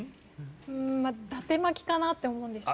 だて巻きかなって思うんですが。